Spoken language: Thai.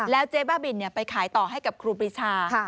เจ๊บ้าบินไปขายต่อให้กับครูปรีชา